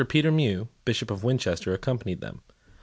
Peter Mew, Bishop of Winchester, accompanied them.